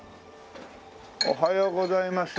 おはようございます。